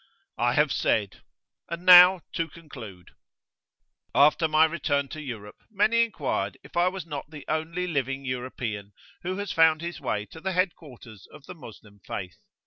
I have said. And now to conclude. After my return to Europe, many inquired if I was not the only living European who has found his way to the Head Quarters of the Moslem Faith.